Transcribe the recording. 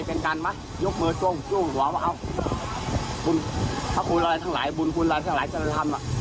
เพราะคุณรายทั้งหลายบุญคุณรายทั้งหลายจนกทำอ่ะ